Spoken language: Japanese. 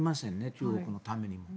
中国のためには。